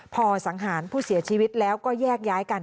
พอสังหารผู้เสียชีวิตแล้วก็แยกย้ายกัน